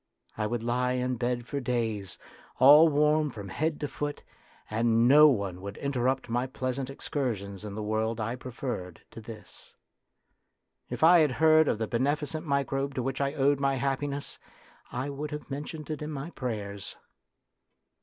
I would lie in bed for days, all warm from head to foot, and no one would interrupt my pleasant excursions in the world I preferred to this. If 1 had heard of the beneficent microbe to which I owed my happiness, I would have mentioned it in my prayers.